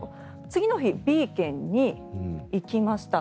次の日、Ｂ県に行きました。